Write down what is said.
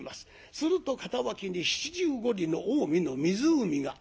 すると片脇に七十五里の近江の湖が。